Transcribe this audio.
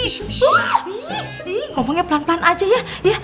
ini ngomongnya pelan pelan aja ya